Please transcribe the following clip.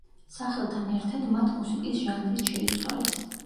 სახელთან ერთად მათ მუსიკის ჟანრიც შეიცვალეს.